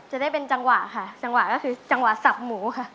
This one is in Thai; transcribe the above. จะได้เป็นจังหวะค่ะจังหวะก็คือจังหวะสับหมูค่ะ